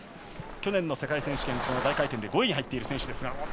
去年の世界選手権、大回転で５位に入っている選手です。